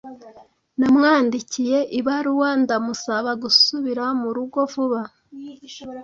Namwandikiye ibaruwa ndamusaba gusubira mu rugo vuba.